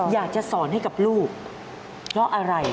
อยากจะสอนให้กับลูกเพราะอะไร